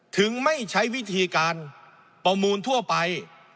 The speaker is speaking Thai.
ไม่ใช้วิธีการประมูลทั่วไป